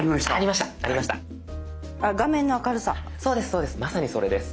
そうですそうです。